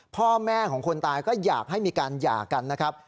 พ่อแม่ของคนตายก็อยากให้มีการหย่ากันนะครับ